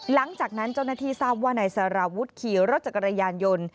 หลังจากนั้นเจ้าหน้าที่ทราบว่านายสารวุฒิขี่รถจักรยานยนต์